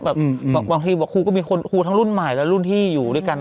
บางทีบอกครูก็มีคนครูทั้งรุ่นใหม่และรุ่นที่อยู่ด้วยกัน